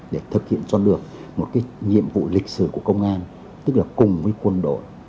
để thực hiện cho được một cái nhiệm vụ lịch sử của công an tức là cùng với quân đội